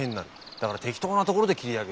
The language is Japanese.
だから適当なところで切り上げる。